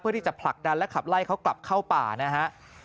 ที่จะผลักดันและขับไล่เขากลับเข้าป่านะฮะ